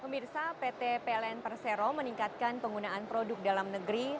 pemirsa pt pln persero meningkatkan penggunaan produk dalam negeri